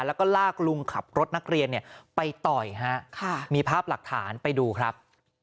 แล้วก็ลากลุงขับรถนักเรียนไปต่อยฮะมีภาพหลักฐานไปดูครับ